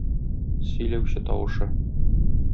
Сөйләүче тавышы.